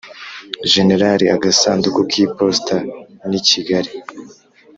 Generali Agasanduku k Iposita ni Kigali